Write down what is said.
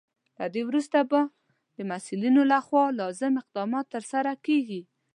له دې وروسته به د مسولینو لخوا لازم اقدامات ترسره کیږي.